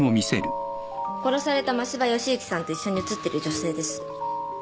殺された真柴義之さんと一緒に写ってる女性です。